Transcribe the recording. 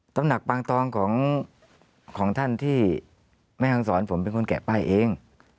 ตำหนักปางทองของท่านที่แม่ห้องศรผมเป็นคนแกะป้ายเอง